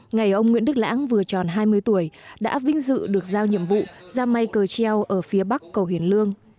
ngày ông nguyễn đức lãng vừa tròn hai mươi tuổi đã vinh dự được giao nhiệm vụ ra may cờ treo ở phía bắc cầu hiền lương